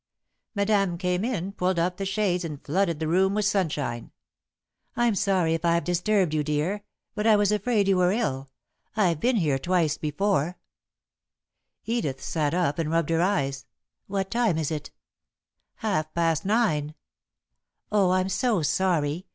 Madame came in, pulled up the shades and flooded the room with sunshine. "I'm sorry if I've disturbed you, dear, but I was afraid you were ill. I've been here twice before." [Sidenote: Aroused from Sleep] Edith sat up and rubbed her eyes. "What time is it?" "Half past nine." "Oh, I'm so sorry!